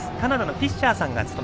フィッシャーさんです。